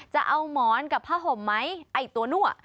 จะเอาหมอนกับผ้าห่มไหมไอ้ตัวนั่ว